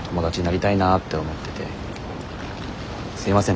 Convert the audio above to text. すいません